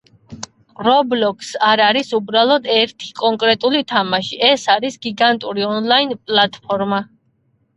Roblox არ არის უბრალოდ ერთი კონკრეტული თამაში — ეს არის გიგანტური ონლაინ პლატფორმა